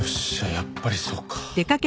やっぱりそうか。